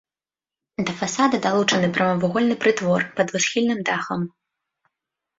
Да фасада далучаны прамавугольны прытвор пад двухсхільным дахам.